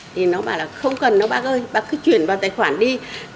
thì nó bảo là không cần nó bác ơi bác cứ chuyển vào tài khoản đi